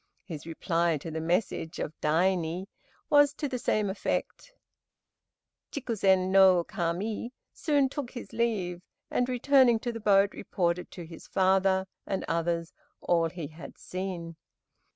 His reply to the message of Daini was to the same effect. Chikzen no Kami soon took his leave, and returning to the boat, reported to his father and others all he had seen.